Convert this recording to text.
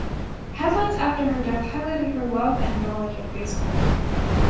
Headlines after her death highlighted her love and knowledge of baseball.